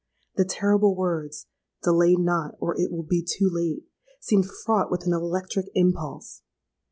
The terrible words, 'Delay not, or it will be too late!' seemed fraught with an electric impulse.